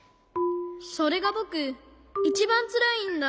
それがぼくいちばんつらいんだ。